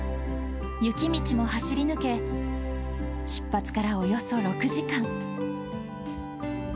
雪道も走り抜け、出発からおよそ６時間。